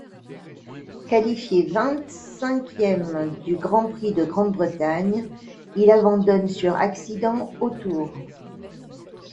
Qualifié vingt-cinquième du Grand Prix de Grande-Bretagne, il abandonne sur accident au tour.